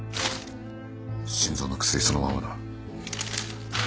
心臓の薬そのままだ